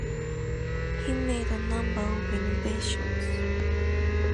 He made a number of innovations.